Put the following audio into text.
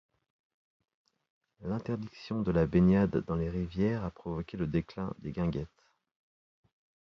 L'interdiction de la baignade dans les rivières a provoqué le déclin des guinguettes.